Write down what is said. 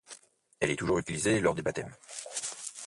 Elle est toujours utilisée lors des baptêmes.